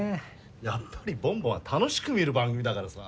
やっぱり「ボンボン」は楽しく見る番組だからさ。